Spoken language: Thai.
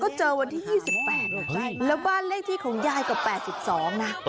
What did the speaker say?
ก็เจอวันที่๒๘แล้วบ้านเลขที่ของยายกว่า๘๒นะ